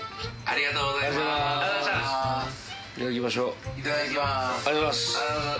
ありがとうございます。